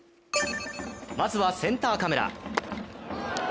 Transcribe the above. まずはセンターカメラ。